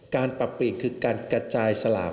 การปรับปริงคือการกระจายสลาก